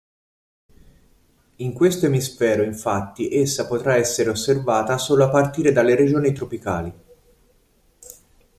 In questo emisfero infatti essa potrà essere osservata solo a partire dalle regioni tropicali.